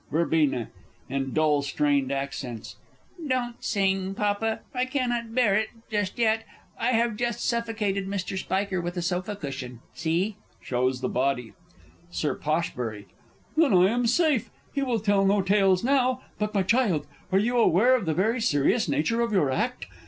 Verb. (in dull strained accents). Don't sing, Papa, I cannot bear it just yet. I have just suffocated Mr. Spiker with a sofa cushion. See! [Shows the body. Sir Posh. Then I am safe he will tell no tales now! But, my child, are you aware of the very serious nature of your act?